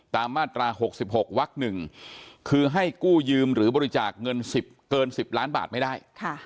มาตรา๖๖วัก๑คือให้กู้ยืมหรือบริจาคเงิน๑๐เกิน๑๐ล้านบาทไม่ได้